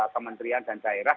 kementerian dan daerah